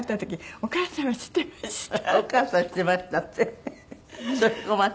「お母さんは知ってました」って？